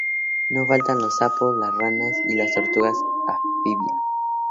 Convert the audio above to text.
No faltan los sapos, las ranas y las tortugas anfibias.